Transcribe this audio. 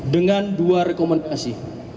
dengan dua rekomendasi